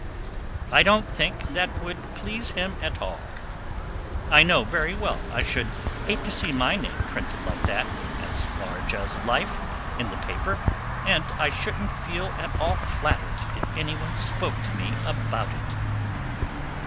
"I don't think that would please him at all; I know very well, I should hate to see my name printed like that, as large as life, in the paper, and I shouldn't feel at all flattered if anyone spoke to me about it."